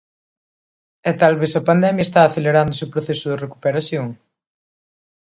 E talvez a pandemia está acelerando ese proceso de recuperación.